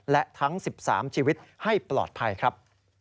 และทั้ง๑๓ชีวิตให้ปลอดภัยครับ